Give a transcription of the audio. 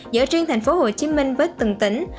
giữa riêng tp hcm với từng tỉnh